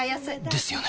ですよね